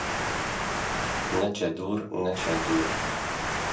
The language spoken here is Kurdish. Neçe dûr neçe dûr